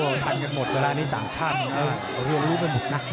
ดูว่าทันกันหมดเวลานี้ต่างชาติก็เรียนรู้เป็นหมุดนะ